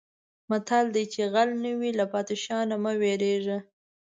متل دی: چې غل نه وې له پادشاه نه مه وېرېږه.